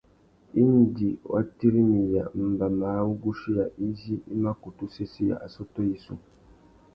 Indi wa tirimiya mbama râ wuguchiya izí i mà kutu sésséya assôtô yissú.